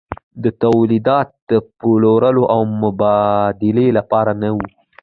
دا تولیدات د پلورلو او مبادلې لپاره نه وو.